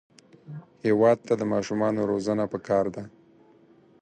هېواد ته د ماشومانو روزنه پکار ده